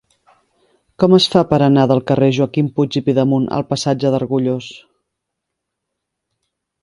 Com es fa per anar del carrer de Joaquim Puig i Pidemunt al passatge d'Argullós?